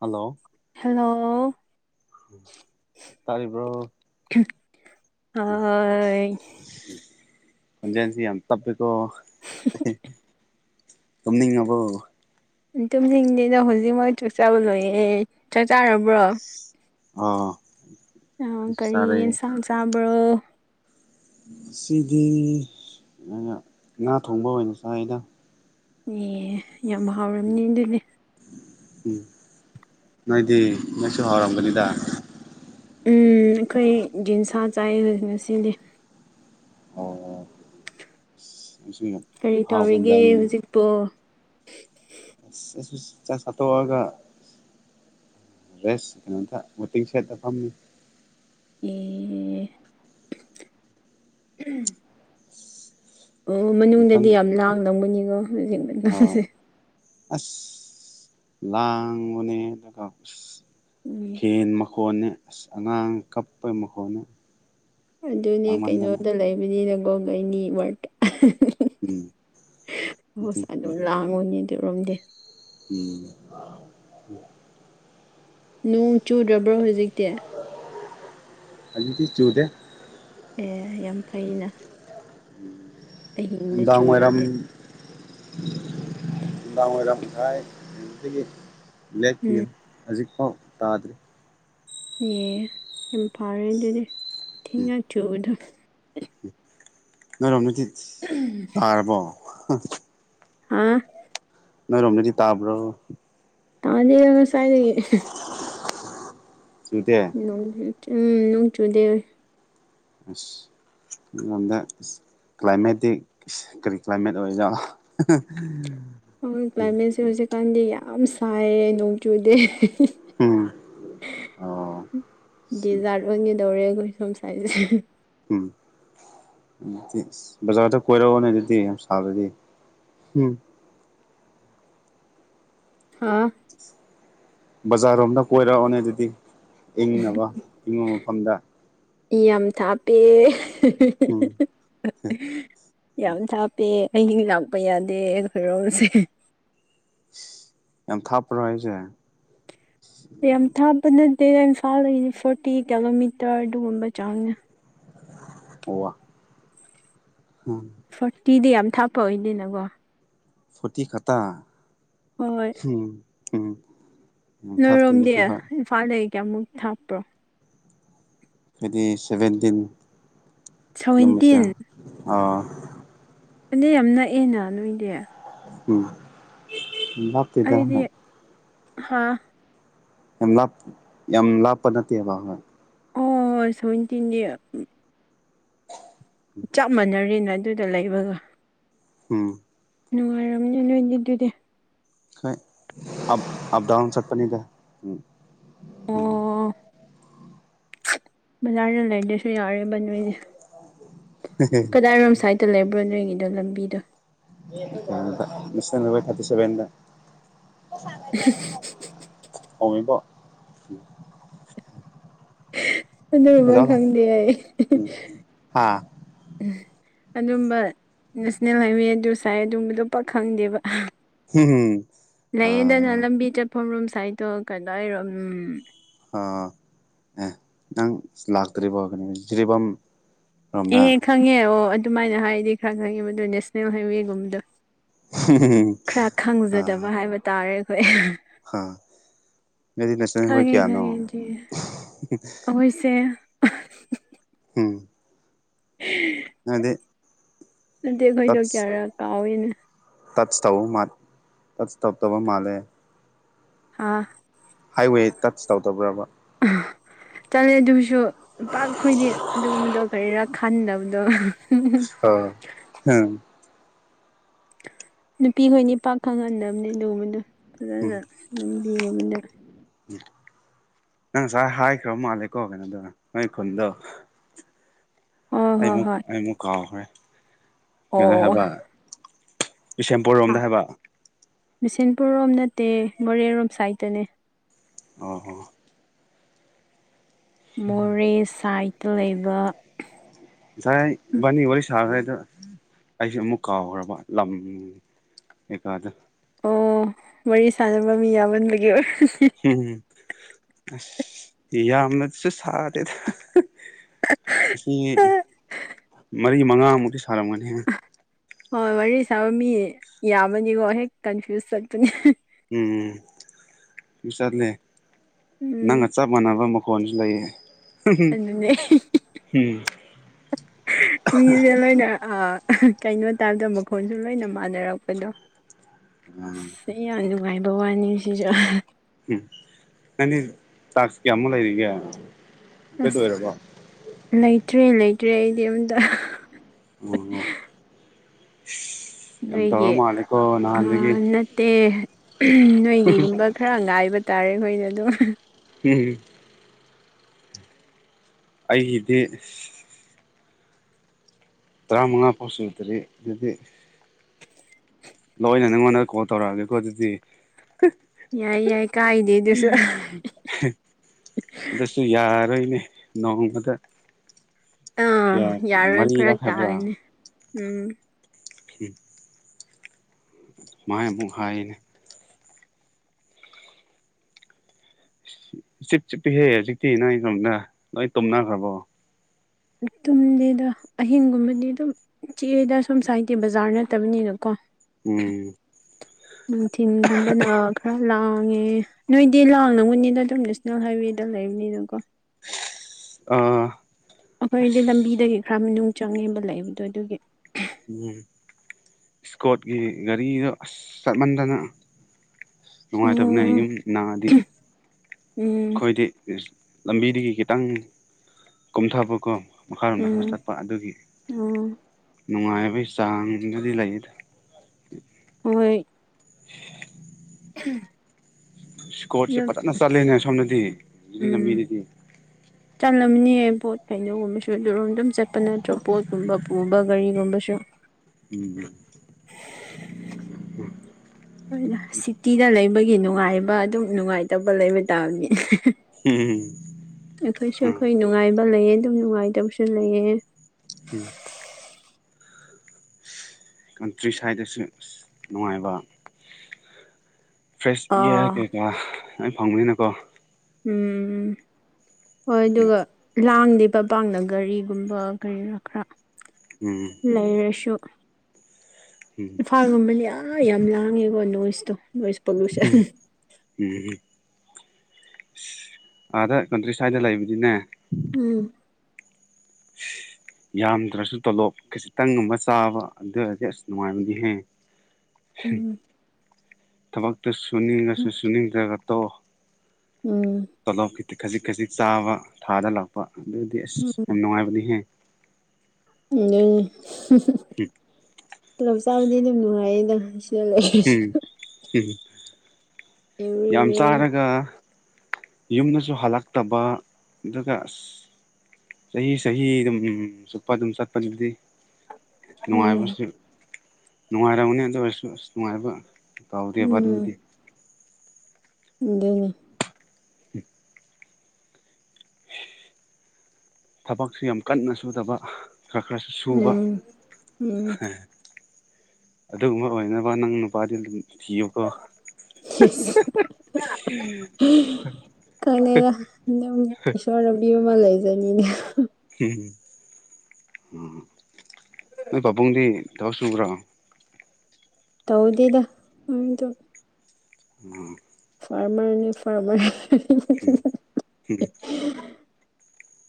Hello [unintelligible] hello ꯇꯥꯔꯤꯕ꯭ꯔꯣ [unintelligible] ꯈꯣꯟꯖꯦꯜꯁꯦ ꯌꯥꯝ ꯇꯞꯄꯦꯀꯣ [unintelligible] ꯇꯨꯝꯅꯤꯡꯉꯕꯣ ꯇꯨꯝꯅꯤꯡꯗꯦꯅ ꯍꯧꯖꯤꯛꯋꯥꯏ ꯆꯥꯛ ꯆꯕ ꯂꯣꯏꯌꯦ ꯆꯥꯛ ꯆꯔꯕ꯭ꯔꯣ ꯑꯥ ꯑ ꯑꯩꯁꯨ ꯀꯔꯤ ꯆꯥꯔꯦ ꯏꯟꯁꯥꯡ ꯆꯥꯕ꯭ꯔꯣ ꯁꯤꯗꯤ ꯉꯥ ꯊꯣꯡꯕ ꯑꯣꯏꯅ ꯆꯥꯏꯗ ꯑꯦ ꯌꯥꯝ ꯍꯥꯎꯔꯝꯅꯤ ꯑꯗꯨꯅꯦ ꯎꯝ ꯅꯣꯏꯗꯤ ꯅꯣꯏꯁꯨ ꯍꯥꯎꯔꯝꯒꯅꯤꯗ ꯎ ꯑꯩꯈꯣꯏ ꯖꯤꯟꯁꯥ ꯆꯥꯏ ꯉꯁꯤꯗꯤ ꯑꯣ [unintelligible] ꯀꯔꯤ ꯍꯥꯎꯕ ꯇꯧꯔꯤꯒꯦ ꯏꯟꯖꯥꯡꯅꯤꯅꯦ ꯍꯧꯖꯤꯛꯄꯣ ꯑꯁ ꯆꯥꯛ ꯆꯥꯇꯣꯛꯑꯒ ꯔꯦꯁ ꯀꯩꯅꯣꯗ ꯋꯥꯇꯤꯡ ꯁꯦꯠꯇꯥ ꯐꯝꯃꯤ [unintelligible] ꯑꯣ ꯉꯥꯛꯇꯪ ꯃꯅꯨꯡꯗꯗꯤ ꯌꯥꯝ ꯂꯥꯡ ꯂꯝꯒꯅꯤꯀꯣ ꯍꯧꯖꯤꯛ ꯑꯥ ꯃꯇꯝꯁꯦ ꯑꯁ ꯂꯥꯡꯕꯅꯦꯗꯥꯀꯣ ꯐꯦꯟ ꯃ ꯈꯣꯟꯅꯦ ꯑꯁ ꯑꯉꯥꯡ ꯀꯞꯄꯩ ꯃꯈꯣꯟꯅꯦ ꯑꯗꯨꯅꯦ ꯂꯥꯡꯃꯟꯗꯅ ꯀꯩꯅꯣꯗ ꯂꯩꯕꯅꯤꯅ ꯒꯣꯔꯃꯦꯟꯒꯤ ꯋꯥꯔꯇ ꯎꯝ ꯑꯣꯏꯁ ꯑꯗꯨꯒꯤ ꯑꯗꯨꯝ ꯂꯥꯡꯉꯨꯅꯦ ꯑꯗꯨꯔꯣꯝꯗꯤ ꯎꯝ ꯅꯣꯡ ꯆꯨꯗ꯭ꯔꯕ꯭ꯔꯣ ꯍꯧꯖꯤꯛꯇꯤ ꯍꯧꯖꯤꯛꯇꯤ ꯆꯨꯗꯦ ꯑꯦ ꯌꯥꯝ ꯐꯩꯅ ꯑꯍꯤꯡꯗ ꯅꯨꯡꯗꯥꯡ ꯋꯥꯏꯔꯝ ꯆꯨꯔꯗꯤ ꯎꯝ [unintelligible] ꯍꯧꯖꯤꯛꯐꯥꯎ ꯇꯥꯗ꯭ꯔꯤ ꯑꯦ ꯌꯥꯝ ꯐꯥꯎꯔꯦ ꯑꯗꯨꯗꯤ ꯏꯊꯤꯟ ꯉꯥꯛꯆꯨꯕꯗ ꯅꯣꯏꯔꯣꯃꯗꯥꯗꯤ ꯇꯥꯔꯕꯣ ꯎꯝ ꯅꯣꯏꯔꯣꯝꯗꯗꯤ ꯇꯥꯕ꯭ꯔꯣ ꯇꯗꯦ ꯆꯨꯗꯦ ꯎꯝ ꯅꯣꯡ ꯆꯨꯗꯦ [unintelligible] ꯀ꯭ꯂꯥꯏꯃꯦꯠꯇꯤ ꯀꯔꯤ ꯀ꯭ꯂꯥꯏꯃꯦꯠ ꯑꯣꯏꯔꯖꯠꯂꯣ ꯀ꯭ꯂꯥꯏꯃꯦꯠꯁꯦ ꯍꯧꯖꯤꯛꯀꯥꯟꯗꯤ ꯌꯥꯝ ꯁꯥꯏꯌꯦ ꯅꯣꯡ ꯆꯨꯗꯦ ꯎꯝ ꯑꯣ ꯗꯗꯤꯖꯥꯔꯠ ꯑꯣꯏꯒꯗꯧꯔꯦ ꯑꯩꯈꯣꯏ ꯁꯣꯝ ꯁꯥꯏꯗ ꯎꯝ ꯎ ꯕꯖꯥꯔꯗ ꯀꯣꯏꯔꯛꯑꯣꯅꯦ ꯑꯗꯨꯗꯤ ꯌꯥꯝ ꯁꯥꯗꯗꯤ ꯎꯝ ꯍꯥꯥ ꯕꯖꯥꯔꯣꯝꯗ ꯀꯣꯏꯔꯛꯑꯣꯅꯦ ꯑꯗꯨꯗꯤ ꯏꯪꯅꯕ ꯏꯪꯕ ꯃꯐꯝꯗ ꯌꯥꯝ ꯊꯥꯞꯄꯦ ꯎꯝ ꯌꯥꯝ ꯊꯥꯞꯄꯦ ꯑꯍꯤꯡ ꯂꯥꯛꯄ ꯌꯥꯗꯦ ꯈꯣꯏꯔꯣꯁꯦ ꯌꯥꯝ ꯊꯥꯞꯄ꯭ꯔꯣ ꯑꯩꯁꯦ ꯌꯥꯝ ꯊꯥꯞꯕ ꯅꯠꯇꯦ ꯏꯝꯐꯥꯜꯗꯒꯤꯅꯤ ꯐꯣꯔꯇꯤ ꯀꯤꯂꯣꯃꯤꯇꯔ ꯑꯗꯨꯒꯨꯝꯕ ꯆꯪꯅ [unintelligible] ꯐꯣꯔꯇꯤꯗꯤ ꯌꯥꯝ ꯊꯥꯞꯄ ꯑꯣꯏꯗꯦꯅꯀꯣ ꯐꯇꯤ ꯈꯥꯇꯥ ꯍꯣꯏ ꯎꯝ ꯌꯥꯝ ꯊꯥꯞꯇꯦꯗꯨꯗꯤ ꯅꯣꯏꯔꯣꯝꯗ ꯍꯣꯏ ꯏꯝꯐꯥꯜꯗꯒꯤ ꯀ ꯑꯃꯨꯛ ꯊꯥꯞꯄ꯭ꯔꯣ ꯍꯥꯏꯗꯤ ꯁꯚꯦꯟꯇꯤꯟ ꯁꯚꯦꯟꯇꯤꯟ ꯀꯤꯂꯣꯃꯤꯇꯔ ꯐꯗ ꯌꯥꯝ ꯅꯛꯑꯦꯅ ꯅꯣꯏꯗꯤ ꯎꯝ ꯂꯥꯞꯇꯦꯗ ꯑꯩꯗꯤ ꯍꯥ ꯌꯥꯝ ꯂꯥꯞ ꯌꯥꯝ ꯂꯥꯞꯄ ꯅꯠꯇꯦꯕ ꯍꯣꯏ [unintelligible] ꯆꯞ ꯃꯥꯟꯅꯔꯤꯅ ꯑꯗꯨꯗ ꯂꯩꯕꯒ ꯎꯝ ꯅꯨꯡꯉꯥꯏꯔꯝꯅꯦ ꯅꯣꯏꯗꯤ ꯑꯗꯨꯗꯤ [unintelligible] ꯎꯝ ꯑꯣ ꯕꯖꯥꯔꯗ ꯂꯩꯗꯁꯨ ꯌꯥꯔꯦꯕ ꯅꯣꯏꯁꯦ [unintelligible] ꯀꯗꯥꯏꯔꯣꯝ ꯁ꯭ꯥꯏꯗ ꯂꯩꯕ꯭ꯔꯣ ꯅꯣꯏꯒꯤꯗꯣ ꯂꯝꯕꯤꯗꯣ [unintelligible] [unintelligible] [unintelligible] ꯑꯗꯨꯃ ꯈꯪꯗꯦ ꯑꯩ ꯎꯝ ꯍꯥ ꯎ ꯑꯗꯨꯝꯕ ꯅꯦꯁꯅꯦꯜ ꯍꯥꯏꯋꯦ ꯑꯗꯨ ꯁꯥꯏ ꯑꯗꯨꯝꯕꯗꯣ ꯄꯈꯪꯗꯦꯕ ꯍꯝ ꯂꯩꯌꯦꯗꯅ ꯑꯥ ꯂꯝꯕꯤ ꯆꯠꯐꯝꯔꯣꯝ ꯁꯥꯏꯏꯗꯣ ꯀꯩꯅꯣ ꯍꯥꯏꯔꯣ ꯎꯝ ꯑ ꯑꯦ ꯅꯪ ꯂꯥꯛꯇꯔꯤꯕꯣ ꯖꯤꯔꯤꯕꯝ ꯑꯦꯍ ꯈꯪꯉꯦ ꯑꯣ ꯑꯗꯨꯃꯥꯏꯅ ꯍꯥꯏꯔꯗꯤ ꯈꯔ ꯈꯪꯉꯦ ꯃꯗꯨ ꯅꯦꯁꯅꯦꯜ ꯍꯥꯏꯋꯦꯒꯨꯝꯕꯗꯣ ꯈꯔ ꯑꯥ ꯈꯪꯖꯗꯕ ꯍꯥꯏꯕ ꯇꯥꯔꯦ ꯑꯩꯈꯣꯏ ꯍꯥ ꯅꯣꯏꯗꯤ ꯅꯦꯁꯅꯦꯜ ꯍꯥꯏꯋꯦ ꯈꯪꯒꯦ ꯀꯌꯥꯅꯣ ꯈꯪꯉꯦꯆ ꯑꯩꯈꯣꯏꯁꯦ ꯎꯝ ꯎꯝ [unintelligible] ꯑꯗꯨꯠꯇꯗꯤ ꯑꯩꯈꯣꯏꯗꯣ ꯀꯌꯥꯔ ꯀꯥꯎꯏꯅ ꯇꯠꯆ ꯇꯧ ꯃꯥ ꯇꯆ ꯇꯧꯕ ꯃꯥꯜꯂꯦ ꯍꯥꯥ ꯍꯥꯏꯋꯦ ꯇꯆ ꯇꯧꯗꯕ꯭ꯔꯕ ꯆꯠꯂꯦ ꯑꯗꯨꯁꯨ ꯄꯈꯣꯏꯗꯤ ꯑꯗꯨꯒꯨꯝꯕꯗꯣ ꯀꯔꯤꯔꯛ ꯈꯟꯅꯕꯗꯣ ꯑꯣ ꯎꯝ ꯅꯨꯄꯤꯈꯣꯏꯅꯤ ꯄꯥꯛ ꯈꯪꯍꯟꯗꯕꯅꯤ ꯑꯗꯨꯒꯨꯝꯕꯗꯣ ꯐꯖꯅ ꯑꯗꯨꯝꯕꯤꯉꯕꯗ ꯎ ꯅꯪ ꯉꯁꯥꯏ ꯍꯥꯏꯈ꯭ꯔꯕ ꯃꯥꯜꯂꯦꯀꯣ ꯀꯩꯅꯣꯗ ꯅꯣꯏ ꯈꯨꯟꯗꯣ ꯍꯣꯏ ꯍꯣꯏ ꯑꯩꯃꯨꯛ ꯍꯣꯏ ꯑꯩꯃꯨꯛ ꯀꯥꯎꯈ꯭ꯔꯦ ꯀꯩꯅꯣ ꯑꯣ ꯍꯥꯏꯕ ꯕꯤꯁꯦꯝꯄꯨꯔ ꯔꯣꯝꯗ ꯍꯥꯏꯕ ꯕꯤꯁꯦꯟꯄꯨꯔꯔꯣꯝ ꯅꯠꯇꯦ ꯃꯣꯔꯦꯔꯣꯝ ꯁꯥꯏꯠꯇꯅꯦ ꯑꯣ ꯍꯣ ꯃꯣꯔꯦ ꯁꯥꯏꯠꯇ ꯂꯩꯕ ꯉꯁꯥꯏꯕꯥꯅꯤ ꯋꯥꯔꯤ ꯁꯥꯈ꯭ꯔꯦꯗ ꯑꯩꯁꯦ ꯑꯃꯨꯛ ꯀꯥꯎꯈ꯭ꯔꯕ ꯂꯝ [unintelligible] ꯑꯣ ꯋꯥꯔꯤ ꯁꯥꯟꯅꯕ ꯃꯤ ꯌꯥꯝꯃꯟꯕꯒꯤ ꯑꯣꯏꯔꯅꯤ ꯎꯝ ꯑꯁ ꯌꯥꯝꯅꯁꯨ ꯁꯥꯔꯦꯗ ꯑꯁꯤ ꯃꯔꯤ ꯃꯉꯥꯃꯨꯛꯇꯤ ꯁꯥꯔꯝꯒꯅꯤ ꯍꯣꯏ ꯋꯥꯔꯤ ꯁꯥꯕ ꯃꯤ ꯌꯥꯝꯕꯅꯤꯀꯣ ꯍꯦꯛ ꯀꯟꯐ꯭ꯌꯨꯁ ꯆꯠꯄꯅꯤ ꯎꯝ ꯆꯠꯂꯦ ꯎꯝ ꯅꯪꯒ ꯆꯞ ꯃꯥꯟꯅꯕ ꯐꯣꯟꯁꯨ ꯂꯩꯌꯦ ꯑꯗꯨꯅꯦ ꯎꯝ [unintelligible] ꯃꯤꯁꯦ ꯂꯣꯏꯅ ꯀꯩꯅꯣ ꯇꯥꯕꯗ ꯃꯈꯣꯟꯁꯨ ꯂꯣꯏꯅ ꯃꯥꯟꯅꯔꯛꯄꯗꯣ [unintelligible] ꯎꯝ ꯁꯤ ꯌꯥꯝ ꯅꯨꯡꯉꯥꯏꯕ ꯋꯥꯅꯤ ꯁꯤꯁꯨ ꯎꯝ ꯅꯪꯗꯤ ꯆꯥꯛꯁ ꯀꯌꯥꯃꯨꯛ ꯂꯩꯔꯤꯒꯦ ꯑꯁ ꯑꯣꯏꯔꯕꯣ ꯂꯩꯇ꯭ꯔꯦ ꯂꯩꯇ꯭ꯔꯦ ꯑꯩꯗꯤ ꯌꯨꯝꯗ ꯑꯣ ꯍꯣ ꯌꯥꯝ ꯇꯧꯔ ꯃꯥꯜꯂꯦꯀꯣ ꯅꯍꯥꯟꯗꯒꯤ ꯠꯇꯦ ꯅꯣꯏꯒꯤꯒꯨꯝꯕ ꯈꯔ ꯉꯥꯏꯕ ꯇꯥꯔꯦ ꯑꯩꯈꯣꯏꯅ ꯑꯗꯨꯝ ꯎꯝꯨꯝ ꯑꯩꯒꯤꯗꯤ ꯇꯔꯥꯃꯉꯥ ꯄꯣꯁꯨꯇꯔꯤ ꯑꯗꯨꯗꯤ ꯂꯣꯏꯅ ꯅꯉꯣꯟꯗ ꯀꯣꯜ ꯇꯧꯔꯛꯑꯒꯦꯀꯣ ꯑꯗꯨꯗꯤ ꯌꯥꯏ ꯌꯥꯏ ꯀꯥꯏꯗꯦ ꯑꯗꯨꯁꯨ ꯑꯗꯨꯁꯨ ꯌꯥꯔꯣꯏꯅꯦ ꯅꯣꯡꯃꯗ ꯑ ꯀꯌꯥ ꯌꯥꯔꯣꯏ ꯐꯔꯛ ꯃꯔꯤꯔꯛ ꯍꯥꯏꯕ꯭ꯔꯥ ꯇꯥꯒꯅꯤ ꯎꯝ ꯎꯝ ꯃꯥꯥꯏ ꯑꯃꯨꯛ ꯍꯥꯏꯅꯦ ꯆꯤꯛ ꯆꯤꯛꯍꯦ ꯍꯧꯖꯤꯛꯇꯤ ꯅꯪꯩꯅꯣꯝꯗ ꯂꯣꯏ ꯇꯨꯝꯅꯈ꯭ꯔꯕꯣ ꯇꯨꯝꯗꯦꯗ ꯑꯍꯤꯡꯒꯨꯝꯕꯗꯤ ꯑꯗꯨꯝ ꯆꯤꯦꯗ ꯁꯣꯝ ꯁꯥꯏꯗꯦ ꯕꯖꯥꯔ ꯅꯠꯇꯕꯅꯤꯅꯀꯣ ꯎꯝ ꯅꯨꯡꯊꯤꯤꯟꯒꯨꯝꯕꯅ ꯈꯔ ꯂꯥꯡꯉꯦ ꯅꯣꯏꯗꯤ ꯂꯥꯡ ꯅꯅꯕꯅꯤꯅ ꯑꯗꯨꯝ ꯅꯦꯁꯅꯦꯜ ꯍꯥꯏꯋꯦꯗ ꯂꯩꯕꯅꯤꯅꯀꯣ ꯑꯥ ꯑꯩꯈꯣꯏꯗꯤ ꯑꯁ ꯂꯝꯕꯤꯗꯒꯤ ꯈꯔ ꯃꯅꯨꯡ ꯆꯪꯉꯦꯕ ꯂꯩꯕꯗꯣ ꯑꯗꯨꯒꯤ ꯎꯝ ꯏꯁꯀꯣꯠꯀꯤ ꯒꯥꯔꯤꯗꯣ ꯑꯁ ꯆꯠꯃꯟꯗꯅ ꯅꯨꯡꯉꯥꯏꯇꯕꯅꯦ ꯎꯝ ꯌꯨꯝ ꯅꯪꯉꯗꯤ ꯎꯝ ꯑꯩꯈꯣꯏꯗꯤ ꯂꯝꯕꯤꯗꯒꯤ ꯈꯤꯇꯪ ꯀꯣꯊꯕꯀꯣ ꯃꯈꯥꯔꯣꯝꯗ ꯈꯔ ꯆꯠꯄ ꯑꯗꯨꯒꯤ ꯑ ꯅꯨꯡꯉꯥꯏꯕꯩꯒꯤ ꯆꯥꯡꯗꯨꯗꯤ ꯂꯩꯗ ꯍꯣꯏ [unintelligible] ꯎꯝ ꯏꯁꯀꯣꯠꯁꯦ ꯐꯖꯅ ꯆꯠꯂꯦꯅꯦ ꯁꯣꯝꯗꯗꯤ ꯍꯧ ꯂꯝꯕꯤꯗꯗꯤ ꯆꯠꯂꯝꯅꯤꯌꯦ ꯄꯣꯠ ꯀꯩꯅꯣꯒꯨꯝꯕꯁꯨ ꯑꯗꯨꯔꯣꯝ ꯑꯗꯨꯝ ꯆꯠꯄ ꯅꯠꯇ꯭ꯔꯣ ꯄꯣꯠꯀꯨꯝꯕ ꯄꯨꯕ ꯒꯥꯔꯤꯒꯨꯝꯕꯁꯨ ꯎꯝ ꯁꯤꯇꯤꯗ ꯂꯩꯕꯒꯤ ꯅꯨꯡꯉꯥꯏꯕ ꯑꯗꯨꯝ ꯅꯨꯡꯉꯥꯏꯇꯕ ꯂꯩꯕ ꯇꯥꯕꯅꯤ ꯍꯝ ꯑꯩꯈꯣꯏꯁꯨ ꯑꯩꯈꯣꯏ ꯅꯨꯡꯉꯥꯏꯕ ꯂꯩꯑ ꯑꯗꯨꯝ ꯅꯨꯡꯉꯥꯏꯇꯕꯁꯨ ꯂꯩꯑ ꯎꯝ ꯀꯟꯇ꯭ꯔꯤ ꯁ꯭ꯥꯏꯗꯁꯨ ꯅꯨꯡꯉꯥꯏꯕ ꯐ꯭ꯔꯦꯁ ꯏꯌꯥꯔ ꯑꯥ ꯀꯩꯀꯥ ꯂ ꯐꯪꯕꯅꯤꯅꯀꯣ ꯎꯝ ꯍꯣꯏ ꯎꯝ ꯑꯗꯨꯒ ꯂꯥꯡꯗꯦꯕ ꯕꯥꯡꯗ ꯒꯥꯔꯤꯒꯨꯝꯕ ꯀꯔꯤꯔꯥ ꯈꯔ ꯎꯝ ꯂꯩꯔꯁꯨ ꯎꯝ ꯑꯥꯒꯨꯝꯕꯅꯦ ꯑꯥ ꯌꯥꯝ ꯂꯥꯡꯉꯦꯕ ꯅꯣꯏꯁꯇꯣ ꯅꯣꯏꯁ ꯄꯣꯂꯨꯁꯟ꯫ ꯎꯝ ꯑꯥꯗ ꯀꯟꯇ꯭ꯔꯤ ꯁꯥꯏꯗ ꯂꯩꯕꯗꯤꯅꯦ ꯎꯝ ꯌꯥꯝꯗ꯭ꯔꯁꯨ ꯇꯣꯂꯣꯞ ꯈꯖꯤꯛꯇꯪꯒꯨꯝꯕ ꯆꯥꯕ ꯑꯗꯨ ꯑꯣꯏꯔꯗꯤ ꯑꯁ ꯅꯨꯡꯉꯥꯏꯕꯗꯤꯍꯦ꯫ [unintelligible] ꯊꯕꯛꯇ ꯁꯨꯅꯤꯡꯉꯁꯨ ꯎꯝ ꯁꯨꯅꯤꯡꯗ꯭ꯔꯒ ꯇꯣ ꯇꯣꯂꯣꯞ ꯀꯤꯇꯤ ꯈꯖꯤꯛ ꯈꯖꯤꯛ ꯆꯥꯕ ꯊꯥꯗ ꯂꯥꯛꯄ ꯑꯗꯨꯗꯤ ꯑꯁ ꯎꯝ ꯌꯝ ꯅꯨꯡꯉꯥꯏꯕꯅꯤꯍꯦ꯫ [unintelligible] ꯇꯣꯂꯣꯞ ꯆꯥꯕꯗꯤ ꯑꯗꯨꯝ ꯅꯨꯡꯉꯥꯏꯌꯦꯗ ꯁꯤꯗ ꯂꯩ꯫ ꯎꯝ ꯎꯝ [unintelligible] ꯌꯥꯝ ꯆꯥꯔꯒ ꯌꯨꯝꯗꯖꯨ ꯍꯥꯜꯂꯥꯛꯇꯕ ꯗꯨꯒ ꯑꯁ ꯆꯍꯤ ꯆꯍꯤ ꯑꯗꯨꯝ ꯆꯨꯞꯄ ꯑꯗꯨꯝ ꯆꯠꯄꯗꯨꯗꯤ ꯎꯝ ꯅꯨꯡꯉꯥꯏꯕꯁꯨ ꯅꯨꯡꯉꯥꯏꯔꯝꯒꯅꯤ ꯑꯗꯨ ꯑꯣꯏꯔꯁꯨ ꯑꯁ ꯅꯨꯡꯉꯥꯏꯕ ꯀꯧꯗꯦꯕ ꯑꯗꯨꯕꯨꯗꯤ꯫ ꯗꯨꯅꯦ [inaudible] ꯊꯥꯕꯛꯁꯨ ꯌꯝ ꯀꯥꯟꯅ ꯁꯨꯗꯕ ꯈ꯭ꯔ ꯈ꯭ꯔ ꯁꯨꯕ ꯎꯝ ꯎꯝ ꯑꯗꯨꯒꯨꯝꯕ ꯑꯣꯏꯅꯕ ꯅꯪ ꯅꯨꯄꯥꯗꯤ ꯗꯨꯝ ꯊꯤꯌꯨꯀꯣ [unintelligible] ꯈꯪꯗꯦꯗ ꯗꯨꯝ ꯏꯁꯣꯔ ꯄꯤꯕ ꯑꯃ ꯂꯩꯖꯅꯤꯅꯦ ꯎꯝ ꯎꯝ ꯅꯣꯏ ꯄꯥꯕꯨꯡꯗꯤ ꯊꯕꯛ ꯁꯨꯕꯔ꯫ ꯇꯧꯗꯦꯗ ꯎꯝ ꯗꯨꯝ ꯎꯝ ꯐꯥꯔꯃꯔꯅꯦ ꯐꯥꯔꯃꯔ ꯎꯝ ꯎꯝ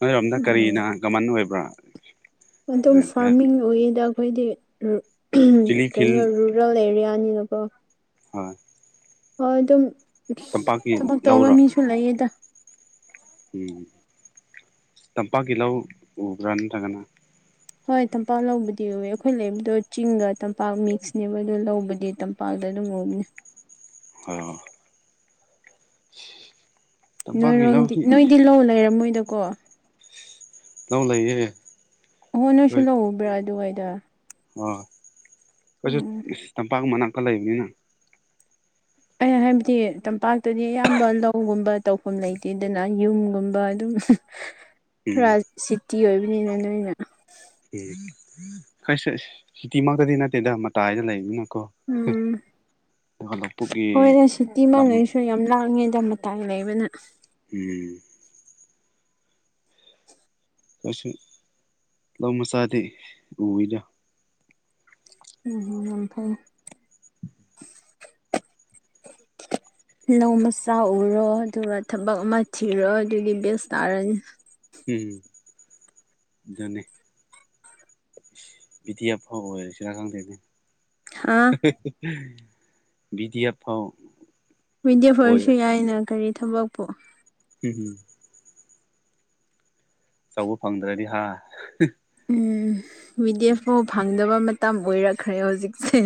ꯅꯣꯢꯔꯣꯝꯗ ꯀꯔꯤꯅ ꯀꯃꯟ ꯑꯣꯏꯕ꯭ꯔꯥ꯫ ꯑꯗꯨꯝ ꯐꯥꯔꯃꯤꯡ ꯑꯣꯏꯌꯦꯗ ꯑꯩꯈꯣꯏꯗꯤ ꯔꯨ ꯑꯍꯝ ꯆꯤꯂꯤ ꯐꯤꯜ ꯀꯩꯅꯣ ꯔꯨ ꯔꯣꯜ ꯑꯦꯔꯤꯌꯥꯅꯤꯅꯀꯣ ꯍꯥꯢ ꯍꯣꯏ ꯗꯨꯝ ꯇꯝꯄꯥꯛꯀꯤ ꯊꯕꯥꯛ ꯇꯧꯕ ꯂꯧꯔꯣ ꯃꯤꯁꯨ ꯂꯩꯌꯦꯗ꯫ ꯎꯝ ꯇꯝꯄꯥꯛꯀꯤ ꯂꯧ ꯎꯕ꯭ꯔꯥ ꯅꯠꯇ꯭ꯔꯒꯅ ꯍꯣꯏ ꯇꯝꯄꯥꯛ ꯂꯧꯕꯨꯗꯤ ꯎꯏꯋꯦ ꯑꯩꯈꯣꯏ ꯂꯩꯕꯗꯣ ꯆꯤꯡꯒ ꯇꯝꯄꯥꯛ ꯃꯤꯛꯁꯅꯦꯕ ꯑꯗꯣ ꯂꯧꯕꯨꯗꯤ ꯇꯝ ꯄꯥꯛꯇ ꯑꯗꯨꯝ ꯎꯕꯅꯤ [unintelligible] ꯇꯝꯄꯥꯛꯀꯤ ꯅꯣꯏꯔꯣꯝꯗꯤ ꯂꯧꯗꯤ ꯅꯣꯏꯗꯤ ꯂꯧ ꯂꯩꯔꯝꯃꯣꯏꯗꯀꯣ꯫ ꯂꯧ ꯂꯩꯌꯦ ꯑꯣꯍꯣ ꯅꯣꯢꯁꯨ ꯂꯧ ꯎꯕ꯭ꯔꯥ ꯑꯗꯨꯋꯥꯏꯗꯥ꯫ ꯑꯩꯈꫭꯏꯁꯨ ꯇꯝꯄꯥꯛ ꯃꯅꯥꯛꯇꯥ ꯂꯩꯕꯅꯤꯅ ꯑꯩꯅ ꯍꯥꯏꯕꯗꯤ ꯇꯝꯄꯥꯛꯇꯗꯤ ꯑꯌꯥꯝꯕ ꯂꯧꯒꯨꯝꯕ ꯇꯧꯐꯝ ꯂꯩꯇꯦꯗꯅ ꯌꯨꯝꯒꯨꯝꯕ ꯑꯗꯨꯝ [unintelligible] ꯈꯔꯥ ꯁꯤꯇꯤ ꯑꯣꯏꯕꯅꯤꯅ ꯅꯣꯏꯅ ꯎꯝ ꯈꯩꯈꫭꯏꯁꯦ ꯁꯤꯇꯤꯃꯥꯛꯇꯗꯤ ꯅꯠꯇꯦꯗ ꯃꯇꯥꯏꯗ ꯂꯩꯕꯅꯤꯅꯀꯣ꯫ ꯎꯝ ꯑꯗꯨꯒ ꯂꯧꯄꯨꯛꯀꯤ ꯍꯣꯏꯅꯦ ꯁꯤꯇꯤ ꯂꯝ [unintelligible] ꯌꯥꯝ ꯂꯥꯡꯉꯦꯗ ꯃ ꯇꯥꯏꯝ ꯂꯩꯕꯅ ꯎꯝ ꯀꯁꯨ ꯂꯃꯁꯗꯗꯤ ꯎꯨ [unintelligible] ꯎꯝ ꯑꯝꯐ [unintelligible] [inaudible] ꯂꯧ ꯃꯆꯥ ꯎꯔꯣ ꯑꯗꯨꯒ ꯊꯕꯛ ꯑꯃ ꯊꯤꯔꯣ ꯑꯗꯨꯗꯤ ꯕꯦꯁ ꯇꯥꯔꯅꯤ ꯎꯝ ꯑꯗꯨꯅꯤ ꯚꯤ ꯗꯤ ꯑꯦꯐ ꯐꯥꯎꯕ ꯑꯣꯏꯔꯁꯤꯔꯥ ꯈꯪꯗꯦꯅꯦ ꯍꯥꯥ [unintelligible] ꯚꯤ ꯗꯤ ꯑꯦꯐ ꯐꯥꯎ ꯚꯤ ꯗꯤ ꯑꯦꯐ ꯑꯣꯏꯔꯦ ꯑꯣꯏꯁꯨ ꯌꯥꯏꯅ ꯀꯔꯤ ꯊꯕꯥꯛꯄꯨ ꯎꯝ ꯑꯆꯧꯕ ꯐꯪꯗ꯭ꯔꯗꯤ ꯍꯥ ꯎꯝ ꯚꯤ ꯗꯤ ꯑꯦꯐ ꯐꯥꯎ ꯐꯪꯗꯕ ꯃꯇꯝ ꯑꯣꯏꯔꯛꯈ꯭ꯔꯦ ꯍꯧꯖꯤꯛꯁꯦ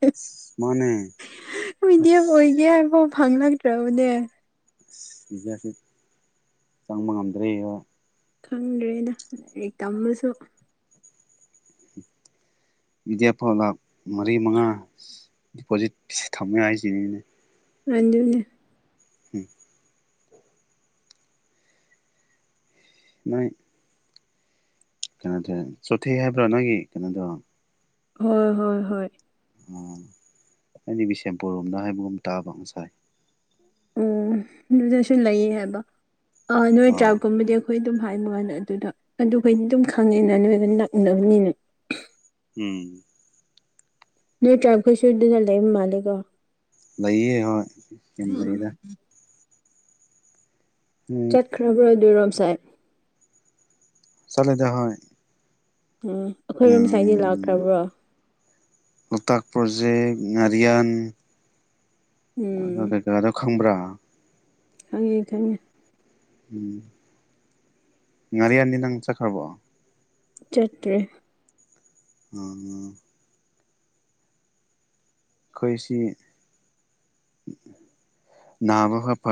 ꯑꯁ ꯃꯥꯅꯦ ꯗꯤ ꯑꯦꯐ ꯑꯁ ꯑꯣꯏꯒꯦ ꯍꯥꯏꯕꯥꯎ ꯐꯪꯂꯛꯇ꯭ꯔꯕꯅꯦ ꯑꯁ ꯏꯖꯌꯥꯁꯤ ꯆꯪꯕ ꯉꯝꯗ꯭ꯔꯦꯕ [unintelligible] ꯈꯪꯗ꯭ꯔꯦꯗ ꯂꯥꯏꯔꯤꯛ ꯇꯝꯕꯁꯨ ꯚꯤ ꯗꯤ ꯑꯦꯐ ꯐꯥꯎ ꯂꯥꯛ ꯃꯔꯤ ꯃꯉꯥ ꯗꯤꯄꯣꯖꯤꯠ ꯊꯝꯃꯦ ꯍꯥꯏꯁꯤꯅꯤꯅꯦ ꯑꯗꯨꯅꯦ ꯎꯝ [unintelligible] ꯃꯥꯏ [unintelligible] ꯀꯩꯅꯣ ꯇꯧꯋꯦ ꯆꯣꯊꯦ [unintelligible] ꯍꯥꯏꯕ꯭ꯔꯥ ꯅꯪꯒꯤ ꯀꯩꯅꯣꯗꯣ ꯍꯣꯏ ꯍꯣꯏ ꯍꯣꯏ ꯑꯩꯗꯤ ꯕꯤꯁꯦꯝꯄꯨꯔ ꯔꯣꯝꯗ ꯍꯥꯏꯕꯒꯨꯝ ꯇꯥꯕ ꯉꯁꯥꯏ ꯑꯨꯝ ꯑꯗꯨꯗꯁꯨ ꯂꯩꯌꯦ ꯍꯥꯏꯕ ꯑꯥ ꯅꯣꯏ ꯇ꯭ꯔꯥꯏꯞꯀꯨꯝꯕꯗꯤ ꯑꯩꯈꯣꯏ ꯑꯗꯨꯝ ꯍꯥꯏꯅ ꯍꯥꯏꯅ ꯑꯗꯨꯗ ꯑꯗꯨꯈꯩꯗꯤ ꯑꯗꯨꯝ ꯈꯪꯉꯦꯅ ꯅꯣꯏꯒ ꯅꯛꯅꯕꯅꯤꯅ [unintelligible] ꯎꯝ ꯅꯣꯏ ꯇꯔꯥꯃꯈꯣꯏ ꯁꯨꯗꯅ ꯂꯩꯔꯝ ꯃꯥꯜꯂꯦꯀꯣ [unintelligible] ꯂꯩꯌꯦ ꯍꯣꯏ ꯌꯥꯝ ꯎꯝ ꯂꯩꯗ [unintelligible] ꯎ [unintelligible] ꯈ꯭ꯔꯕ꯭ꯔ ꯑꯗꯨꯔꯣꯝꯁꯥꯏ [unintelligible] ꯆꯂꯦꯗ ꯍꯣꯏ ꯎꯝ ꯑꯩꯈꯣꯏꯔꯣꯝ ꯁꯥꯏꯗꯥ ꯎꯝ ꯂꯥꯛꯈ꯭ꯔꯕ꯭ꯔꯣ ꯂꯣꯛꯇꯥꯛ ꯄ꯭ꯔꯣꯖꯦꯛ ꯉꯥꯔꯤꯌꯥꯟ ꯎꯝ ꯒꯥꯥꯗꯣ ꯈꯪꯕ꯭ꯔꯥ [unintelligible] ꯈꯪꯉꯦ ꯈꯪꯉꯦ ꯎꯝ ꯉꯥꯔꯤꯌꯥꯟꯗꯤ ꯅꯪ ꯆꯠꯈ꯭ꯔꯕꯣ ꯆꯠꯇ꯭ꯔꯤ ꯑꯝ ꯈꯣꯏꯁꯤ ꯅꯥꯕ ꯈꯔ